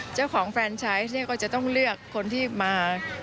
เจ้าของเฟรนชัยก็จะต้องเลือกคนที่มา